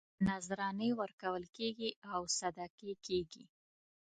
نذرانې ورکول کېږي او صدقې کېږي.